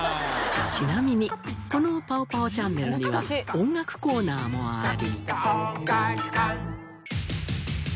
ちなみにこの『パオパオチャンネル』には音楽コーナーもあり。